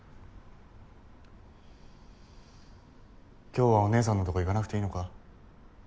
今日はお姉さんのとこ行かなくていいのか？